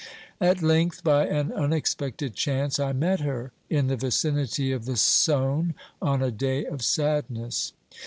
At length, by an unexpected chance, I met her in the vicinity of the Saone, on a day of sadness.